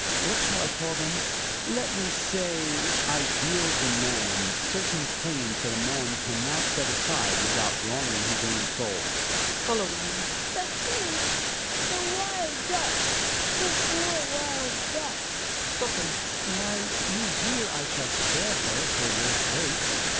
What shall I call them ? Let me say ideal demands — 92 THE WILD DUCK, certain claims that a man can not set aside without wronging his own soul. Hedvig {following him). But think, the wild duck — the poor wild duck ! HJAI.MAR {stopping). Why, you hear I shall spare her — for your sake.